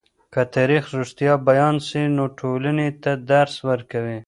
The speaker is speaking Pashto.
که تاریخ رښتیا بيان سي، نو ټولني ته درس ورکوي.